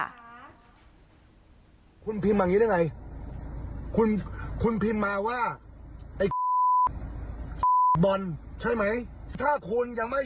ดีดหรือยังไงดีดหรือยังไง